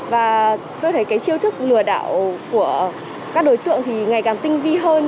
và tôi thấy cái chiêu thức lừa đảo của các đối tượng thì ngày càng tinh vi hơn